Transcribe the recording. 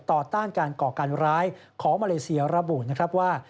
ต่อต้านการก่อการร้ายของมลัยเสียระบุว่า